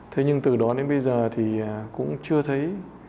thế nhưng từ đó đến bây giờ thì cũng chưa thấy